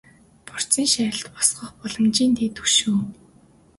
Борисын шарилд босгох боломжийн дээд хөшөө.